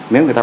nếu người ta